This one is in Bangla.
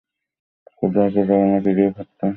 খোদা হাফেজ, আপনার প্রিয় ফাত্তু।